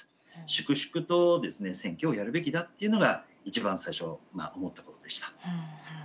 粛々とですね選挙をやるべきだというのが一番最初思ったことでした。